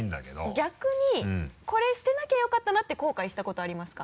逆にこれ捨てなきゃよかったなって後悔したことありますか？